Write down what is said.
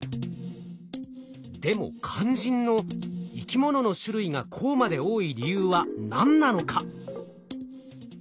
でも肝心の生き物の種類がこうまで多い理由は何なのか？